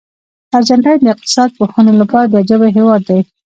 ارجنټاین د اقتصاد پوهانو لپاره د عجایبو هېواد دی.